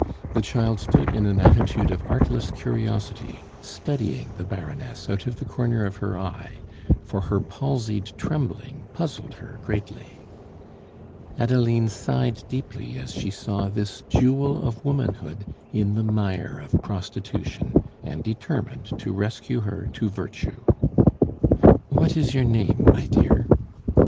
The child stood in an attitude of artless curiosity, studying the Baroness out of the corner of her eye, for her palsied trembling puzzled her greatly. Adeline sighed deeply as she saw this jewel of womanhood in the mire of prostitution, and determined to rescue her to virtue. "What is your name, my dear?"